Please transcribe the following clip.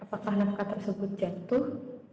apakah nafkah tersebut jatuh